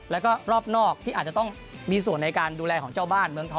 แล้วก็รอบนอกที่อาจจะต้องมีส่วนในการดูแลของเจ้าบ้านเมืองทอง